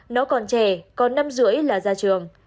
nó còn trẻ còn năm rưỡi là ra trường